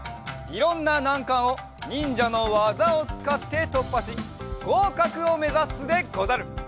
いろんななんかんをにんじゃのわざをつかってとっぱしごうかくをめざすでござる！